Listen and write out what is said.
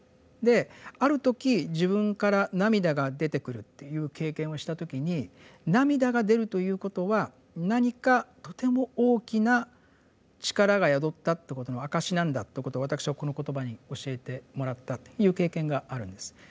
である時自分から涙が出てくるという経験をした時に涙が出るということは何かとても大きな力が宿ったということの証しなんだということを私はこの言葉に教えてもらったという経験があるんです。